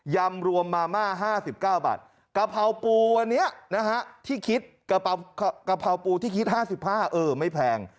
ยำรวมมาม่า๕๙บาทกระเพราปูอันนี้นะฮะที่คิด๕๕บาทไม่แพง